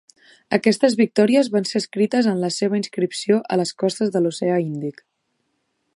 Aquestes victòries van ser escrites en la seva inscripció a les costes de l'oceà Índic.